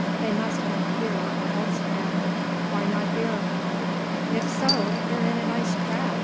They must hunt here or elsewhere. Why not here?" "If so, we're in a nice trap!"